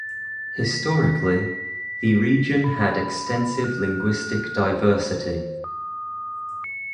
Historically, the region had extensive linguistic diversity.